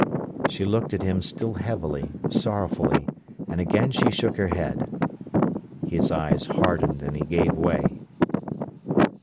She looked at him still heavily, sorrowfully, and again she shook her head. His eyes hardened, and he gave way.